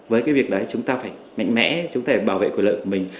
với cái việc đấy chúng ta phải mạnh mẽ chúng ta bảo vệ quyền lợi của mình